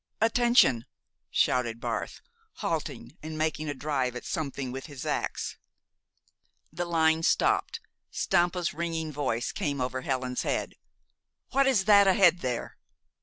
"Attention!" shouted Barth, halting and making a drive at something with his ax. The line stopped. Stampa's ringing voice came over Helen's head: "What is that ahead there?"